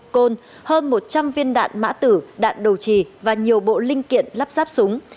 côn hơn một trăm linh viên đạn mã tử đạn đồ trì và nhiều bộ linh kiện lắp ráp súng